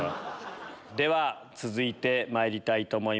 では続いてまいりたいと思います。